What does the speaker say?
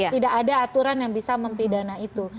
tidak ada aturan yang bisa mempidana itu